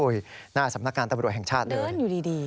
หน้าสำนักงานตำรวจแห่งชาติเลยนั่งอยู่ดี